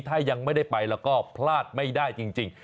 ถ้ายังไม่ได้ไปแล้วก็พลาดไม่ได้จริง